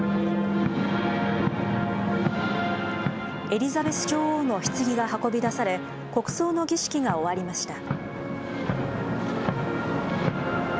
エリザベス女王のひつぎが運び出され、国葬の儀式が終わりました。